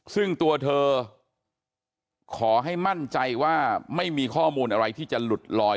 ซึ่งตัวเธอขอให้มั่นใจว่าไม่มีข้อมูลอะไรที่จะหลุดลอย